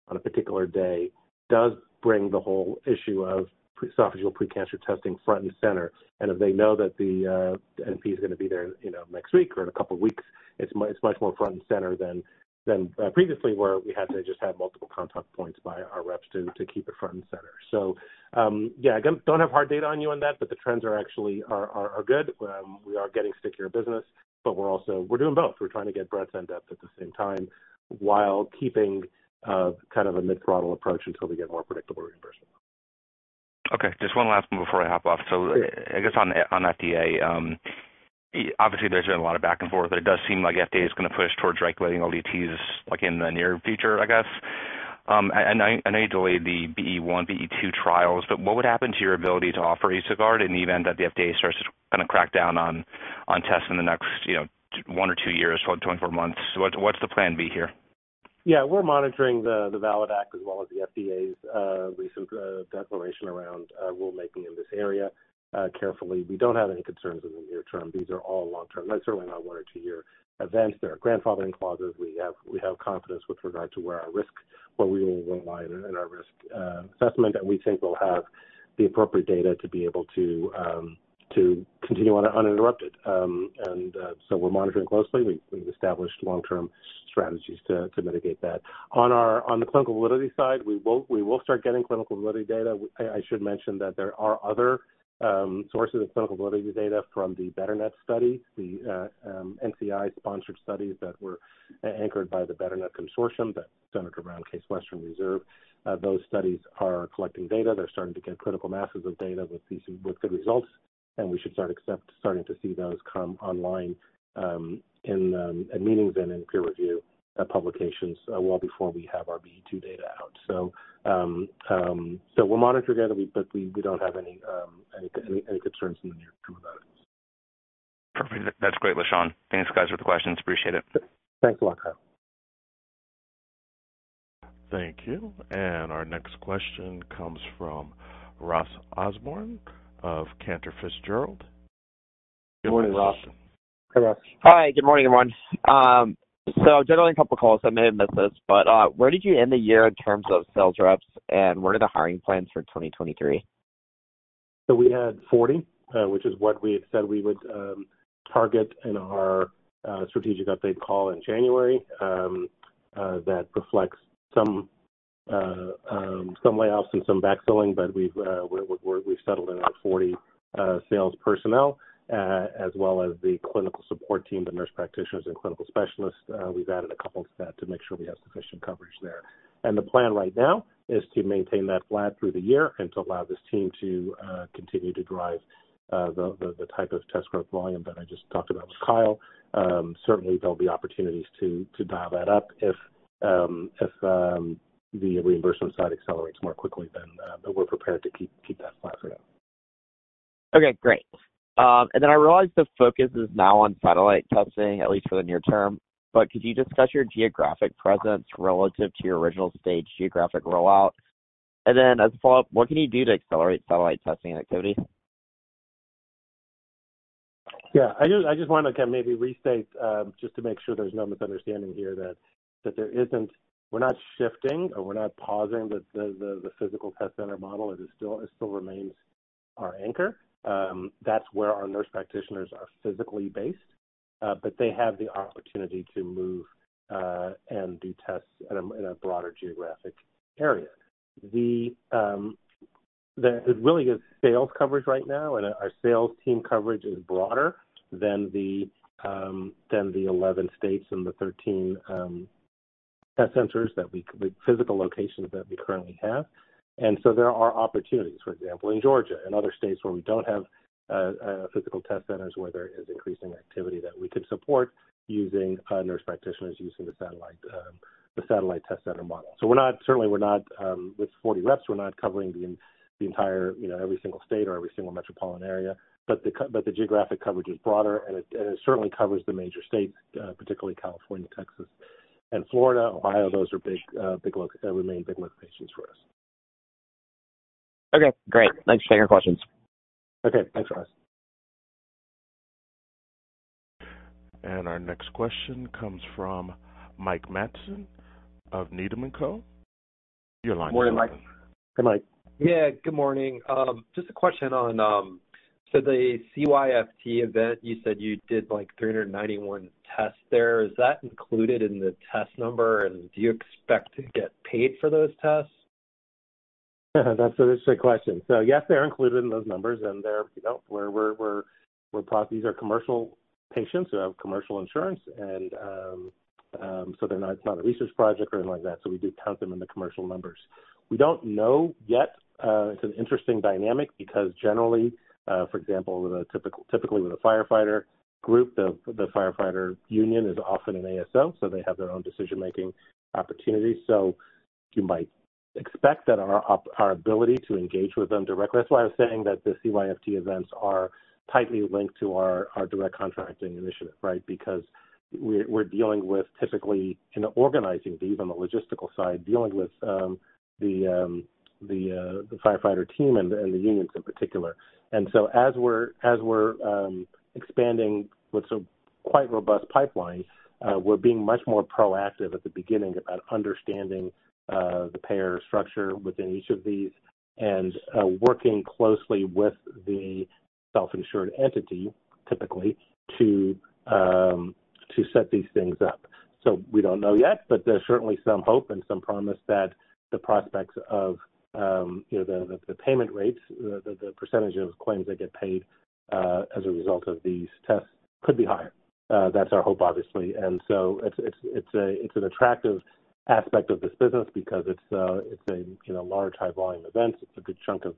on a particular day does bring the whole issue of pre- esophageal precancer testing front and center. If they know that the NP is gonna be there, you know, next week or in a couple of weeks, it's much more front and center than previously, where we had to just have multiple contact points by our reps to keep it front and center. Yeah, again, don't have hard data on you on that, but the trends are actually are good. We are getting stickier business, but we're also. We're doing both. We're trying to get breadth and depth at the same time, while keeping, kind of a mid-throttle approach until we get more predictable reimbursement. Okay, just one last one before I hop off. I guess on FDA, obviously there's been a lot of back and forth, but it does seem like FDA is going to push towards regulating LDTs, like, in the near future, I guess. I know you delayed the BE-1, BE-2 trials, but what would happen to your ability to offer EsoGuard in the event that the FDA starts to kind of crack down on tests in the next, you know, 1 or 2 years, 12, 24 months? What's the plan B here? We're monitoring the VALID Act as well as the FDA's recent declaration around rulemaking in this area carefully. We don't have any concerns in the near term. These are all long-term. That's certainly not one or two-year events. There are grandfathering clauses. We have confidence with regard to where we will align in our risk assessment, and we think we'll have the appropriate data to be able to continue on it uninterrupted. We're monitoring closely. We've established long-term strategies to mitigate that. On the clinical validity side, we will start getting clinical validity data. I should mention that there are other sources of clinical validity data from the BETRNet study, the NCI-sponsored studies that were anchored by the BETRNet Consortium that centered around Case Western Reserve. Those studies are collecting data. They're starting to get critical masses of data with good results, and we should starting to see those come online in meetings and in peer review publications well before we have our BE-2 data out. We'll monitor that, but we don't have any concerns in the near term about it. Perfect. That's great, Lishan. Thanks, guys, for the questions. Appreciate it. Thanks a lot, Kyle. Thank you. Our next question comes from Ross Osborn of Cantor Fitzgerald. Good morning, Ross. Hi, Ross. Hi. Good morning, everyone. Generally a couple calls, so I may have missed this. Where did you end the year in terms of sales reps, and what are the hiring plans for 2023? We had 40, which is what we had said we would target in our strategic update call in January. That reflects some layoffs and some backfilling, but we've settled in at 40 sales personnel as well as the clinical support team, the nurse practitioners and clinical specialists. We've added a couple to that to make sure we have sufficient coverage there. The plan right now is to maintain that flat through the year and to allow this team to continue to drive the type of test growth volume that I just talked about with Kyle. Certainly there'll be opportunities to dial that up if the reimbursement side accelerates more quickly than, but we're prepared to keep that flat for now. Okay, great. I realize the focus is now on satellite testing, at least for the near term, but could you discuss your geographic presence relative to your original stage geographic rollout? As a follow-up, what can you do to accelerate satellite testing activity? Yeah. I just want to kind of maybe restate, just to make sure there's no misunderstanding here that there isn't, we're not shifting or we're not pausing the physical test center model. It still remains our anchor. That's where our nurse practitioners are physically based, but they have the opportunity to move and do tests in a broader geographic area. It really is sales coverage right now, and our sales team coverage is broader than the 11 states and the 13 test centers the physical locations that we currently have. There are opportunities, for example, in Georgia and other states where we don't have physical Test Centers where there is increasing activity that we could support using nurse practitioners using the satellite Test Center model. Certainly we're not, with 40 reps, we're not covering the entire, you know, every single state or every single metropolitan area. The geographic coverage is broader, and it, and it certainly covers the major states, particularly California, Texas, and Florida, Ohio. Those are big remain big locations for us. Okay, great. Thanks for taking our questions. Okay. Thanks, Ross. Our next question comes from Mike Matson of Needham & Company. Your line is open. Morning, Mike. Hi, Mike. Yeah. Good morning. Just a question on the CYFT event, you said you did, like, 391 tests there. Is that included in the test number, and do you expect to get paid for those tests? That's an interesting question. Yes, they are included in those numbers and they're, these are commercial patients who have commercial insurance and it's not a research project or anything like that. We do count them in the commercial numbers. We don't know yet. It's an interesting dynamic because generally, for example, with a typically with a firefighter group, the firefighter union is often an ASO, so they have their own decision-making opportunities. You might expect that our ability to engage with them directly... That's why I was saying that the CYFT events are tightly linked to our direct contracting initiative, right? Because we're dealing with typically in organizing these on the logistical side, dealing with the firefighter team and the unions in particular. As we're expanding what's a quite robust pipeline, we're being much more proactive at the beginning about understanding the payer structure within each of these and working closely with the self-insured entity typically to set these things up. We don't know yet, but there's certainly some hope and some promise that the prospects of, you know, the payment rates, the percentage of claims that get paid as a result of these tests could be higher. That's our hope, obviously. It's an attractive aspect of this business because it's a, you know, large, high-volume event. It's a good chunk of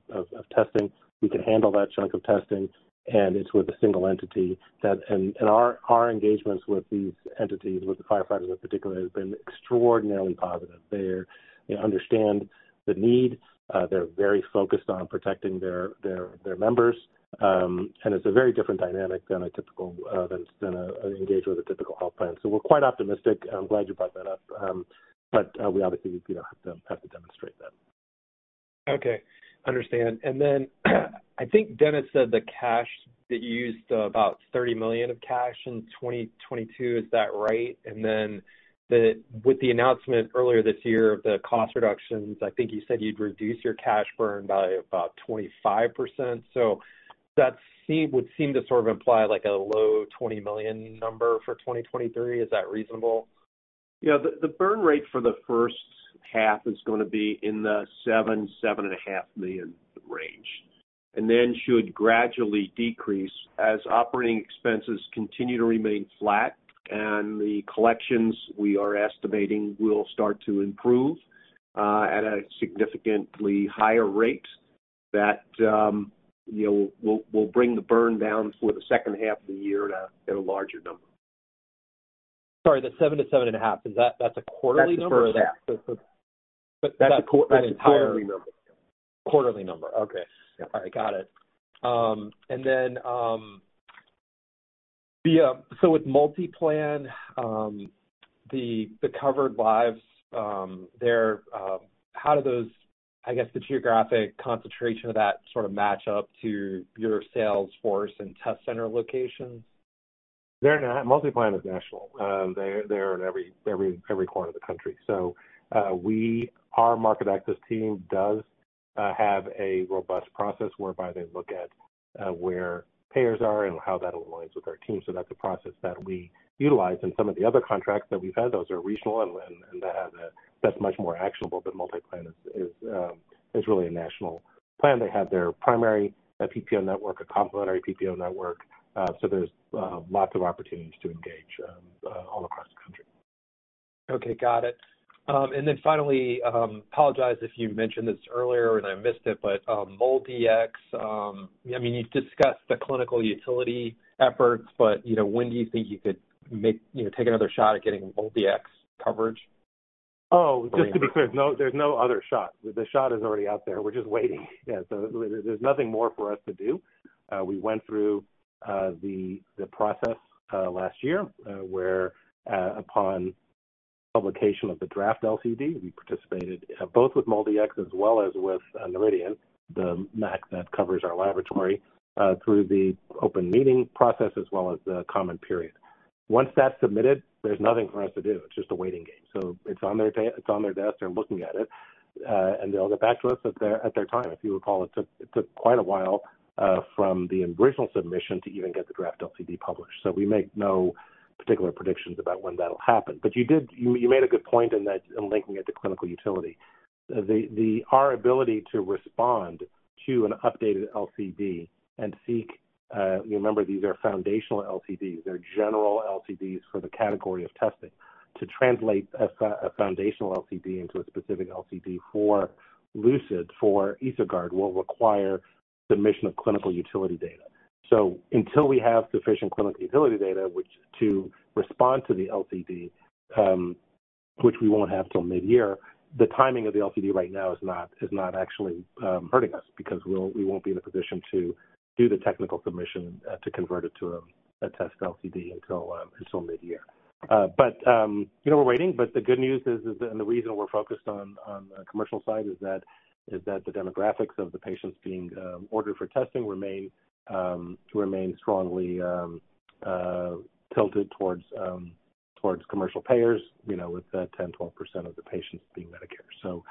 testing. We can handle that chunk of testing, and it's with a single entity that our engagements with these entities, with the firefighters in particular, have been extraordinarily positive. They understand the need. They're very focused on protecting their members. It's a very different dynamic than a typical than an engagement with a typical health plan. We're quite optimistic. I'm glad you brought that up, but we obviously, you know, have to demonstrate that. Okay. Understand. I think Dennis said the cash that you used, about $30 million of cash in 2022, is that right? With the announcement earlier this year of the cost reductions, I think you said you'd reduce your cash burn by about 25%. That would seem to sort of imply like a low $20 million number for 2023. Is that reasonable? Yeah. The burn rate for the first half is gonna be in the $7 million-seven and a half million range, and then should gradually decrease as operating expenses continue to remain flat and the collections we are estimating will start to improve at a significantly higher rate that, you know, will bring the burn down for the second half of the year to a larger number. Sorry, the 7 to 7.5, that's a quarterly number? That's for that. But, but that entire- That's a quarterly number. Quarterly number. Okay. Yeah. All right. Got it. So with MultiPlan, the covered lives, how do those... I guess the geographic concentration of that sort of match up to your sales force and test center locations? They're not. MultiPlan is national. They're in every corner of the country. Our market access team does have a robust process whereby they look at where payers are and how that aligns with our team. That's a process that we utilize. In some of the other contracts that we've had, those are regional and that's much more actionable. MultiPlan is really a national plan. They have their primary PPO network, a complementary PPO network, so there's lots of opportunities to engage all across the country. Okay, got it. Then finally, apologize if you mentioned this earlier, and I missed it, but MolDX, I mean, you've discussed the clinical utility efforts, but, you know, when do you think you could make, you know, take another shot at getting MolDX coverage? Just to be clear, there's no other shot. The shot is already out there. We're just waiting. Yeah. There's nothing more for us to do. We went through the process last year where upon publication of the draft LCD, we participated both with MolDX as well as with Noridian, the MAC that covers our laboratory, through the open meeting process as well as the comment period. Once that's submitted, there's nothing for us to do. It's just a waiting game. It's on their desk. They're looking at it and they'll get back to us at their, at their time. If you recall, it took quite a while from the original submission to even get the draft LCD published. We make no particular predictions about when that'll happen. You made a good point in that, in linking it to clinical utility. Our ability to respond to an updated LCD and seek, remember, these are foundational LCDs. They're general LCDs for the category of testing. To translate a foundational LCD into a specific LCD for Lucid, for EsoGuard, will require submission of clinical utility data. Until we have sufficient clinical utility data, which to respond to the LCD, which we won't have till midyear, the timing of the LCD right now is not actually hurting us because we won't be in a position to do the technical submission to convert it to a test LCD until mid-year. You know, we're waiting, but the good news is, and the reason we're focused on the commercial side is that the demographics of the patients being ordered for testing remain strongly tilted towards commercial payers, you know, with 10%, 12% of the patients being Medicare.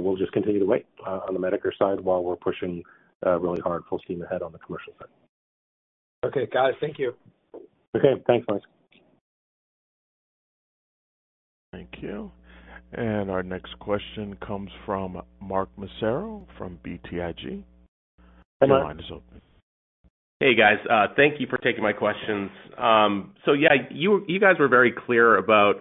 We'll just continue to wait on the Medicare side while we're pushing really hard, full steam ahead on the commercial side. Okay. Got it. Thank you. Okay. Thanks, Mike. Thank you. Our next question comes from Mark Massaro from BTIG. Hi, Mark. Your line is open. Hey, guys. Thank you for taking my questions. Yeah, you guys were very clear about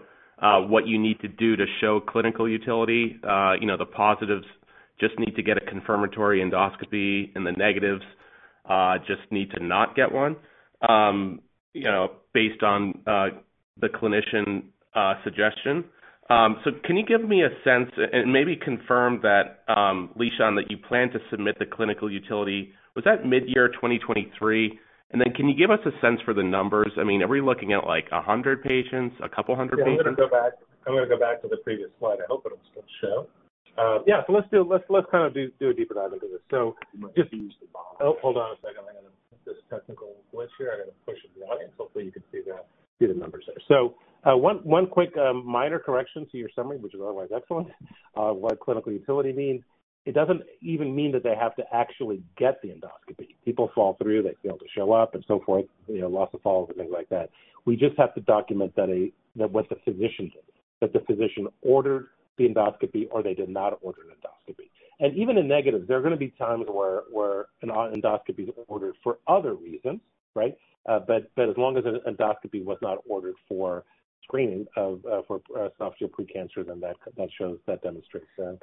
what you need to do to show clinical utility. You know, the positives just need to get a confirmatory endoscopy and the negatives just need to not get one, you know, based on the clinician suggestion. Can you give me a sense and maybe confirm that, Lishan, that you plan to submit the clinical utility, was that midyear 2023? Can you give us a sense for the numbers? I mean, are we looking at like 100 patients, a couple 100 patients? Yeah. I'm gonna go back, I'm gonna go back to the previous slide. I hope it'll still show. Yeah. Let's kind of do a deeper dive into this. You might have to use the bottom. Hold on 1 second. This technical glitch here. I gotta push it in the audience. Hopefully, you can see the numbers there. 1 quick minor correction to your summary, which is otherwise excellent, of what clinical utility means. It doesn't even mean that they have to actually get the endoscopy. People fall through, they fail to show up and so forth, you know, loss of follow-up and things like that. We just have to document that what the physician did. That the physician ordered the endoscopy or they did not order an endoscopy. Even in negatives, there are going to be times where an endoscopy is ordered for other reasons, right? But as long as an endoscopy was not ordered for screening for esophageal precancer, then that shows that demonstrates that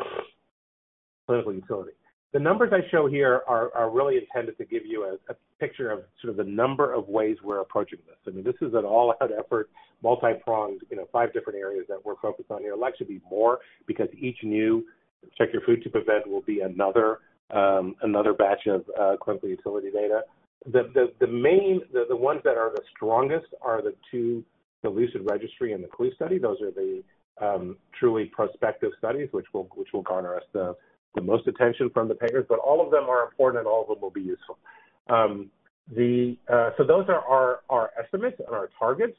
clinical utility. The numbers I show here are really intended to give you a picture of sort of the number of ways we're approaching this. I mean, this is an all-out effort, multi-pronged, you know, 5 different areas that we're focused on here. There'll actually be more because each new Check Your Food Tube event will be another batch of clinical utility data. The ones that are the strongest are the two, the Lucid Registry and the CLUE study. Those are the truly prospective studies which will garner us the most attention from the payers. All of them are important and all of them will be useful. Those are our estimates and our targets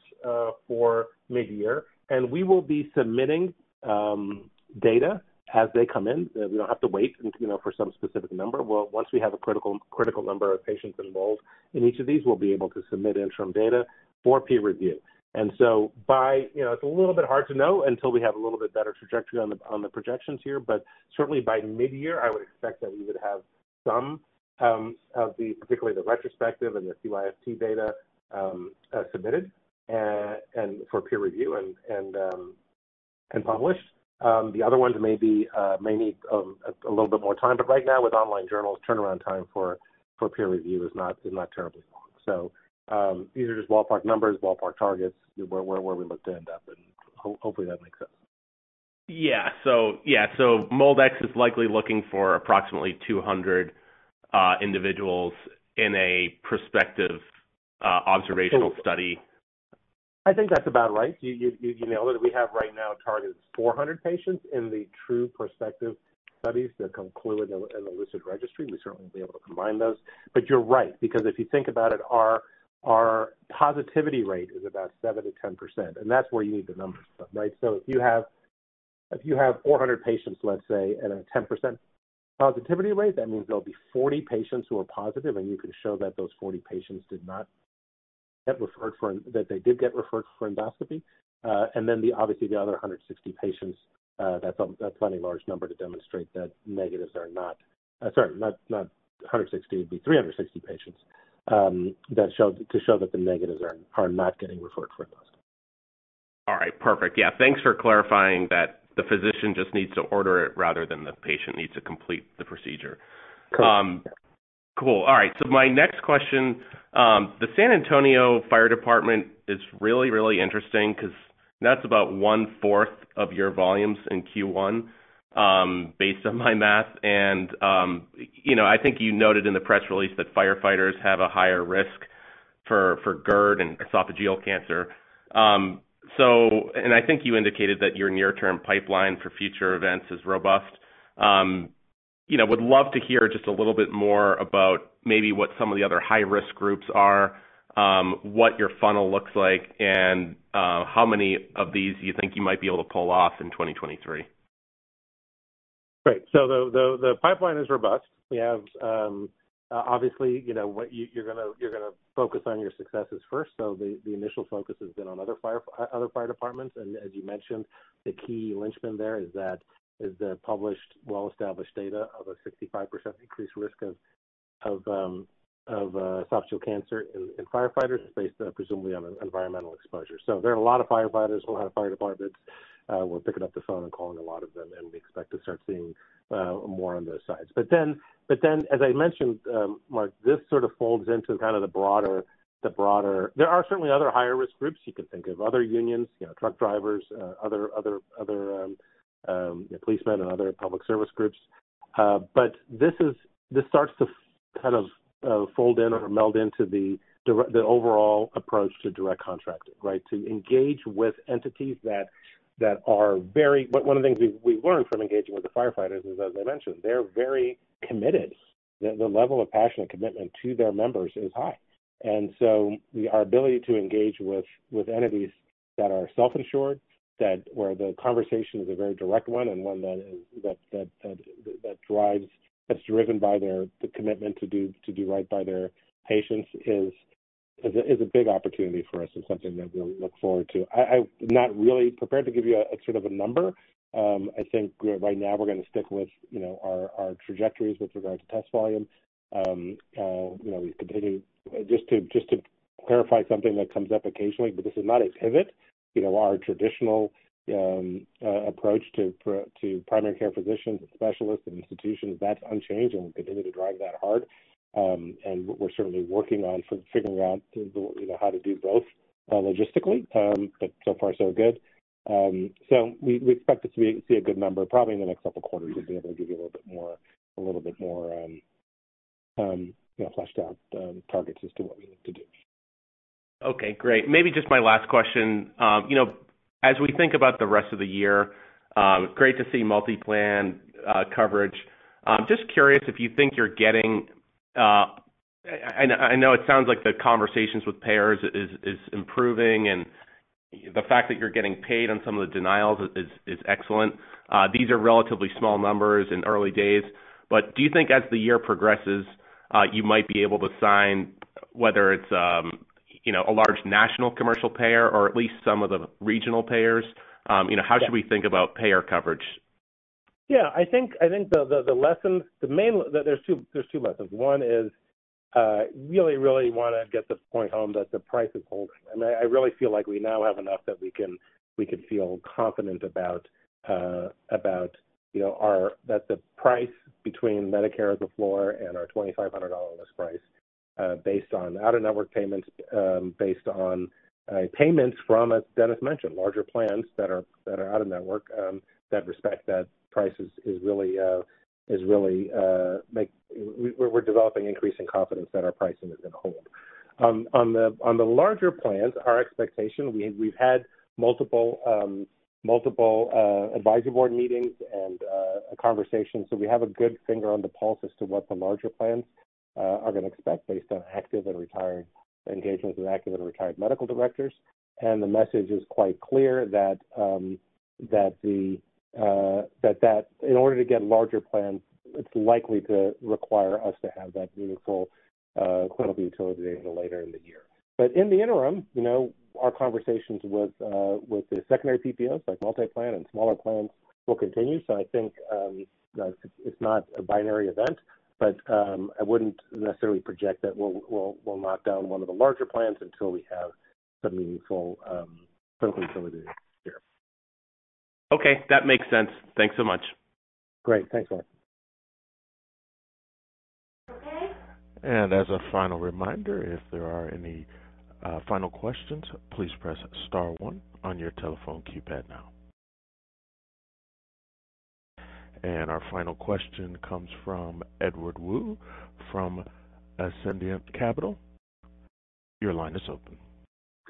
for mid-year, and we will be submitting data as they come in. We don't have to wait, you know, for some specific number. Well, once we have a critical number of patients involved in each of these, we'll be able to submit interim data for peer review. By, you know, it's a little bit hard to know until we have a little bit better trajectory on the, on the projections here, but certainly by mid-year, I would expect that we would have some of the, particularly the retrospective and the CYFT data submitted and for peer review and published. The other ones may need a little bit more time. Right now with online journals, turnaround time for peer review is not terribly long. These are just ballpark numbers, ballpark targets where we look to end up, and hopefully that makes sense. MolDX is likely looking for approximately 200 individuals in a prospective observational study. I think that's about right. You nailed it. We have right now targeted 400 patients in the true prospective studies, the CLUE and the Lucid Registry. We certainly will be able to combine those. You're right, because if you think about it, our positivity rate is about 7%-10%, and that's where you need the numbers from, right? If you have 400 patients, let's say, at a 10% positivity rate, that means there'll be 40 patients who are positive, and you can show that those 40 patients did not get referred for endoscopy. Then obviously the other 160 patients, that's a plenty large number to demonstrate that negatives are not... Sorry, not 160, it would be 360 patients, that show, to show that the negatives are not getting referred for endoscopy. All right. Perfect. Yeah, thanks for clarifying that the physician just needs to order it rather than the patient needs to complete the procedure. Correct. Cool. All right. My next question, the San Antonio Fire Department is really, really interesting because that's about 1/4 of your volumes in Q1, based on my math. You know, I think you noted in the press release that firefighters have a higher risk for GERD and esophageal cancer. I think you indicated that your near-term pipeline for future events is robust. You know, would love to hear just a little bit more about maybe what some of the other high-risk groups are, what your funnel looks like, and, how many of these you think you might be able to pull off in 2023. Great. The pipeline is robust. We have, obviously, you know, what you're gonna focus on your successes first. The initial focus has been on other fire departments. As you mentioned, the key linchpin there is the published, well-established data of a 65% increased risk of esophageal cancer in firefighters based presumably on environmental exposure. There are a lot of firefighters, a lot of fire departments. We're picking up the phone and calling a lot of them, and we expect to start seeing more on those sides. As I mentioned, Mark, this sort of folds into kind of the broader... There are certainly other higher-risk groups you can think of, other unions, you know, truck drivers, other, you know, policemen and other public service groups. This starts to kind of fold in or meld into the overall approach to direct contracting, right? To engage with entities that are very. One of the things we learned from engaging with the firefighters is, as I mentioned, they're very committed. The level of passion and commitment to their members is high. Our ability to engage with entities that are self-insured, that where the conversation is a very direct one and one that is that drives that's driven by the commitment to do right by their patients is a big opportunity for us and something that we look forward to. I'm not really prepared to give you a sort of a number. I think right now we're gonna stick with, you know, our trajectories with regard to test volume. You know, we continue. Just to clarify something that comes up occasionally, this is not a pivot. You know, our traditional approach to primary care physicians and specialists and institutions, that's unchanged, and we continue to drive that hard. We're certainly working on for figuring out, you know, how to do both logistically, but so far so good. We expect to see a good number probably in the next couple of quarters. We'll be able to give you a little bit more, you know, fleshed out targets as to what we look to do. Okay, great. Maybe just my last question. You know, as we think about the rest of the year, great to see MultiPlan coverage. Just curious if you think you're getting... I know it sounds like the conversations with payers is improving and the fact that you're getting paid on some of the denials is excellent. These are relatively small numbers in early days. Do you think as the year progresses, you might be able to sign whether it's, you know, a large national commercial payer or at least some of the regional payers, you know... Yeah. How should we think about payer coverage? Yeah. I think the lesson, there's two lessons. One is really wanna get this point home that the price is holding. I mean, I really feel like we now have enough that we can feel confident about, you know, that the price between Medicare as a floor and our $2,500 list price, based on out-of-network payments, based on payments from, as Dennis mentioned, larger plans that are out-of-network, that respect that price is really We're developing increasing confidence that our pricing is gonna hold. On the, on the larger plans, our expectation, we've had multiple advisory board meetings and conversations, so we have a good finger on the pulse as to what the larger plans are gonna expect based on active and retired engagements with active and retired medical directors. The message is quite clear that in order to get larger plans, it's likely to require us to have that meaningful clinical utility later in the year. In the interim, you know, our conversations with the secondary PPOs, like MultiPlan and smaller plans, will continue. I think, like it's not a binary event, but I wouldn't necessarily project that we'll lock down one of the larger plans until we have some meaningful clinical utility here. Okay. That makes sense. Thanks so much. Great. Thanks, Mark. As a final reminder, if there are any final questions, please press star 1 on your telephone keypad now. Our final question comes from Edward Woo from Ascendiant Capital. Your line is open.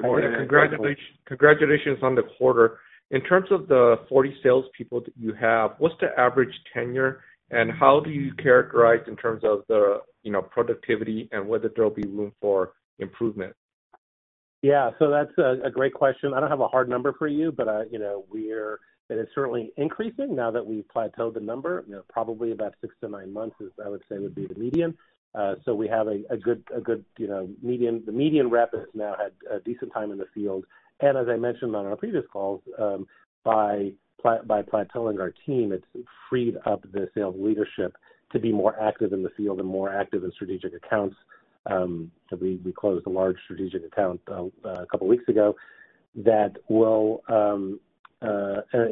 Go ahead, Edward. Congratulations on the quarter. In terms of the 40 salespeople that you have, what's the average tenure, and how do you characterize in terms of the, you know, productivity and whether there'll be room for improvement? Yeah. That's a great question. I don't have a hard number for you, but, you know, it is certainly increasing now that we've plateaued the number. You know, probably about six to nine months is, I would say, the median. We have a good, you know, median. The median rep has now had a decent time in the field. As I mentioned on our previous calls, by plateauing our team, it's freed up the sales leadership to be more active in the field and more active in strategic accounts. We closed a large strategic account a couple weeks ago. That will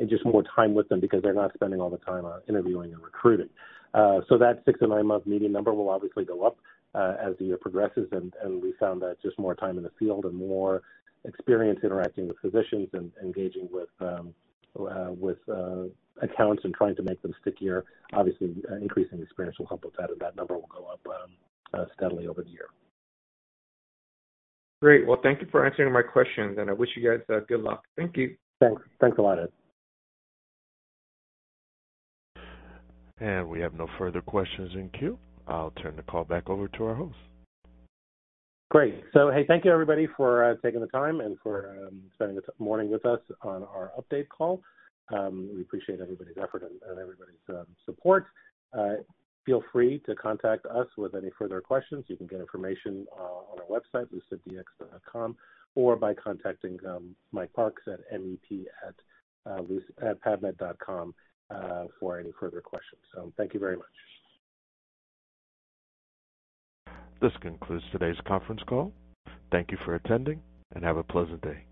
just more time with them because they're not spending all the time on interviewing and recruiting. That 6 and 9-month median number will obviously go up as the year progresses. We found that just more time in the field and more experience interacting with physicians and engaging with accounts and trying to make them stickier, obviously increasing the experience will help with that, and that number will go up steadily over the year. Great. Well, thank you for answering my questions. I wish you guys good luck. Thank you. Thanks. Thanks a lot, Ed. We have no further questions in queue. I'll turn the call back over to our host. Great. Hey, thank you everybody for taking the time and for spending the morning with us on our update call. We appreciate everybody's effort and everybody's support. Feel free to contact us with any further questions. You can get information on our website, luciddx.com, or by contacting Mike Parks at MEP at pavmed.com for any further questions. Thank you very much. This concludes today's conference call. Thank you for attending. Have a pleasant day.